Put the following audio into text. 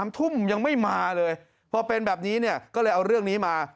๓ทุ่มยังไม่มาเลยพอเป็นแบบนี้เนี่ยก็เลยเอาเรื่องนี้มา